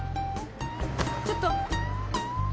ちょっと。